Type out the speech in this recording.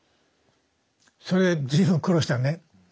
それ随分苦労したのね。